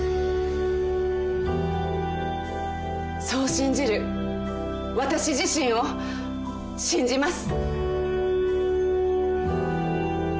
そう信じる私自身を信じます。